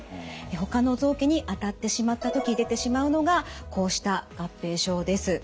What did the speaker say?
ほかの臓器に当たってしまった時出てしまうのがこうした合併症です。